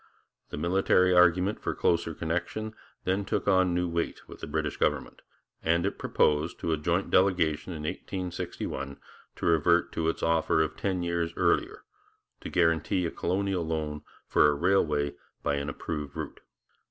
The military argument for closer connection then took on new weight with the British government, and it proposed, to a joint delegation in 1861, to revert to its offer of ten years earlier to guarantee a colonial loan for a railway by an approved route.